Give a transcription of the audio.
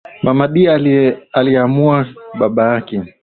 Mama Dee Dee alimuacha baba yake